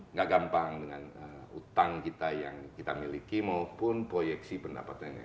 nggak gampang dengan utang kita yang kita miliki maupun proyeksi pendapatannya